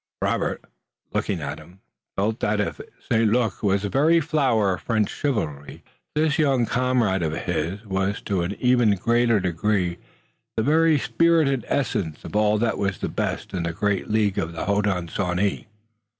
Robert, looking at him, felt that if St. Luc was the very flower of French chivalry, this young comrade of his was to an even greater degree the very spirit and essence of all that was best in the great League of the Hodenosaunee.